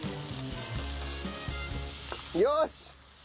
よし！